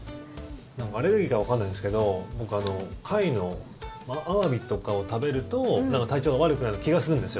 アレルギーかわからないんですけど僕、貝のアワビとかを食べると体調が悪くなる気がするんですよ